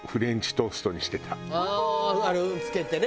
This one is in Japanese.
ああーあれを漬けてね。